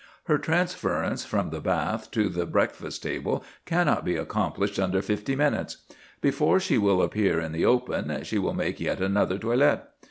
Her transference from the bath to the breakfast table cannot be accomplished under fifty minutes. Before she will appear in the open she will make yet another toilet.